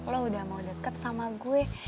lo udah mau deket sama gue